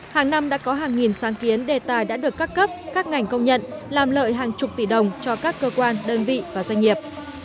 hàng năm đã có hàng nghìn sáng kiến đề tài đã được các cấp các ngành công nhận làm lợi hàng chục tỷ đồng cho các cơ quan đơn vị và doanh nghiệp